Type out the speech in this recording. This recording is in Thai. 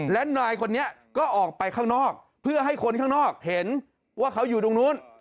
และนายคนนี้ก็ออกไปข้างนอกเพื่อให้คนข้างนอกเห็นว่าเขาอยู่ตรงนู้น